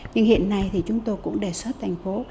nhưng hiện nay thì chúng tôi cũng đề xuất thành phố